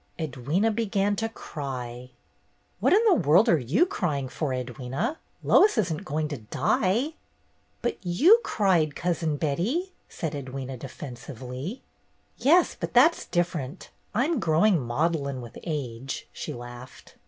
Edwyna began to cry. "What in the world are you crying for, Edwyna? Lois isn't going to die!" "But you cried. Cousin Betty," said Ed wyna, defensively. "Yes, but that's different. I'm growing maudlin with age," she laughed.